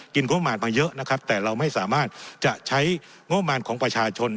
งบมารมาเยอะนะครับแต่เราไม่สามารถจะใช้งบประมาณของประชาชน